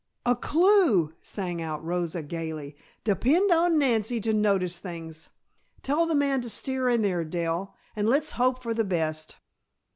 "A clue!" sang out Rosa gayly. "Depend upon Nancy to notice things. Tell the man to steer in there, Dell. And let's hope for the best."